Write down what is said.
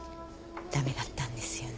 駄目だったんですよね。